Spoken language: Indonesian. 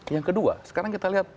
yang kedua sekarang kita lihat